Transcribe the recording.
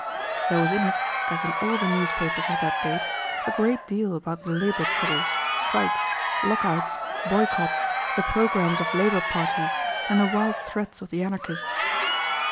There was in it, as in all the newspapers of that date, a great deal about the labor troubles, strikes, lockouts, boycotts, the programmes of labor parties, and the wild threats of the anarchists.